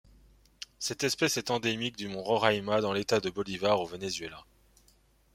Cette espèce est endémique du mont Roraima dans l'État de Bolívar au Venezuela.